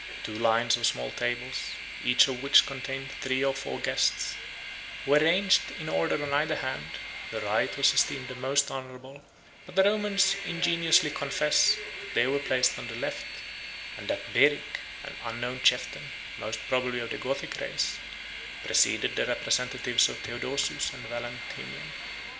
Two lines of small tables, each of which contained three or four guests, were ranged in order on either hand; the right was esteemed the most honorable, but the Romans ingenuously confess, that they were placed on the left; and that Beric, an unknown chieftain, most probably of the Gothic race, preceded the representatives of Theodosius and Valentinian.